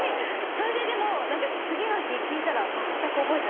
それででも次の日聞いたらまったく覚えてない。